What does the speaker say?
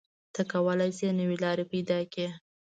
ته کولی شې نوې لارې پیدا کړې.